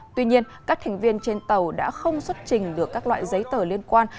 tuy nhiên các thành viên trên tàu đã không xuất trình được các loại giấy tờ liên quan